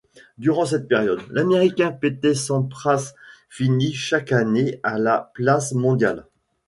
Durant cette période, l'Américain Pete Sampras finit chaque année à la place mondiale.